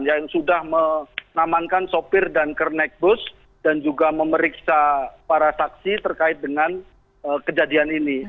yang sudah menamankan sopir dan kernek bus dan juga memeriksa para saksi terkait dengan kejadian ini